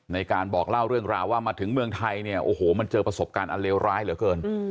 ในการบอกเล่าเรื่องราวว่ามาถึงเมืองไทยเนี่ยโอ้โหมันเจอประสบการณ์อันเลวร้ายเหลือเกิน